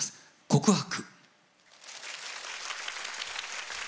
「告白」。